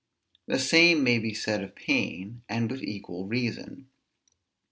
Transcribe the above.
The same may be said of pain, and with equal reason.